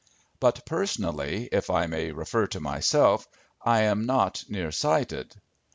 But personally, if I may refer to myself, I am not near sighted.